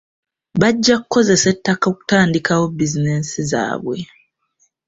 Bajja kukozesa ettaka okutandikawo bizinensi zaabwe.